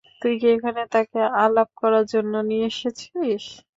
তুই কী এখানে তাকে বিলাপ করার জন্য নিয়ে এসেছিস?